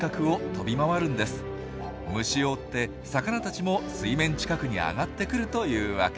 虫を追って魚たちも水面近くに上がってくるというわけ。